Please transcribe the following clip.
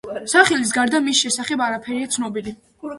სახელის გარდა მის შესახებ არაფერია ცნობილი.